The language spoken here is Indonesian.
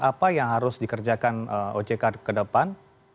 apa yang harus dikerjakan ojk kedepan